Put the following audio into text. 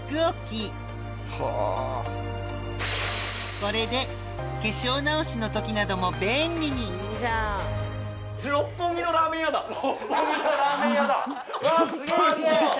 これで化粧直しの時なども便利に六本木のラーメン屋だわすげぇ！